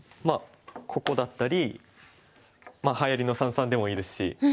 まあここだったりはやりの三々でもいいですし。